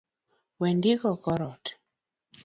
Wendiko kor ot